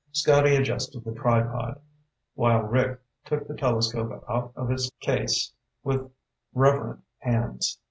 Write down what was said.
Scotty adjusted the tripod, while Rick took the telescope out of its case with reverent hands.